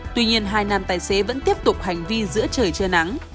tuy nhiên hai nam tài xế vẫn tiếp tục hành vi giữa trời trưa nắng